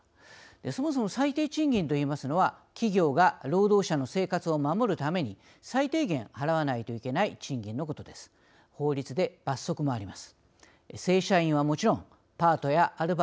そもそも最低賃金といいますのは企業が労働者の生活を守るために最低限、払わないといけない賃金のことです。